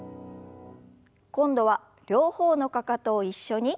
今度は両方のかかとを一緒に。